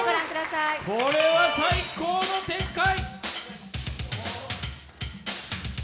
これは最高の展開。